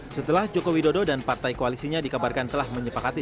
setelah joko widodo dan partai koalisinya dikabarkan telah menyepakati